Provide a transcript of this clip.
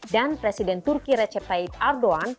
dan presiden turki recep tayyip erdogan